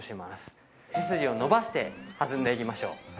背筋を伸ばして弾んでいきましょう。